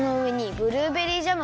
ブルーベリージャム。